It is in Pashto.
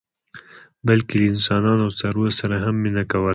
بلکې له انسانانو او څارویو سره یې هم مینه کوله.